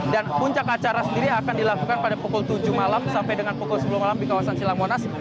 dan puncak acara sendiri akan dilakukan pada pukul tujuh malam sampai dengan pukul sepuluh malam di kawasan silamonas